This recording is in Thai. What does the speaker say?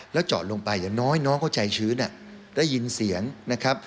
แล้วเจาะลงไปอย่างน้อยน้องก็ใจชื้นได้ยินเสียงนะครับ